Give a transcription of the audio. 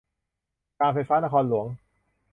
การไฟฟ้านครหลวง